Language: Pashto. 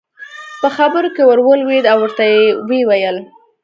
په خبرو کې ور ولوېد او ورته ویې وویل.